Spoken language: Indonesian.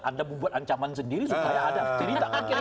anda membuat ancaman sendiri supaya ada cerita